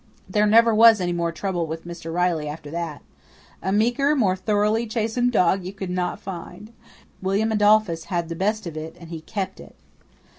There never was any more trouble with Mr. Riley after that. A meeker, more thoroughly chastened dog you could not find. William Adolphus had the best of it and he kept it.